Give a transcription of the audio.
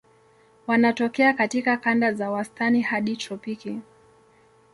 Wanatokea katika kanda za wastani hadi tropiki.